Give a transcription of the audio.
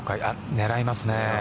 狙いますね。